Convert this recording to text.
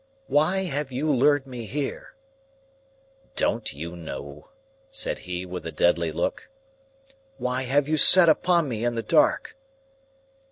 "Why have you lured me here?" "Don't you know?" said he, with a deadly look. "Why have you set upon me in the dark?"